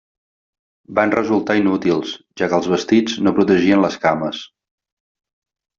Van resultar inútils, ja que els vestits no protegien les cames.